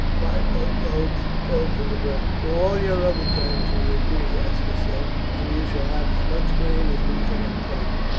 "Five boat loads filled to the brim." "To all your other terms we agree," Aska said; "and you shall have as much grain as we can obtain.